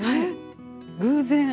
偶然。